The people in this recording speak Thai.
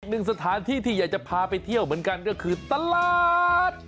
หนึ่งสถานที่ที่อยากจะพาไปเที่ยวเหมือนกันก็คือตลาด